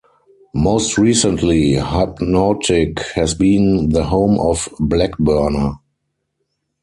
Most recently, Hypnotic has been the home of Blackburner.